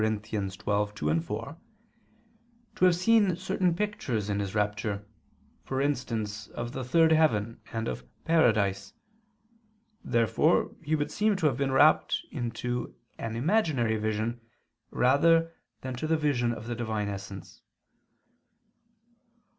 12:2, 4) to have seen certain pictures in his rapture, for instance of the "third heaven" and of "paradise." Therefore he would seem to have been rapt to an imaginary vision rather than to the vision of the Divine essence.